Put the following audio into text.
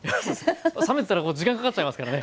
冷めてたら時間かかっちゃいますからね。